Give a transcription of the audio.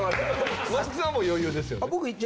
松木さんはもう余裕ですよね？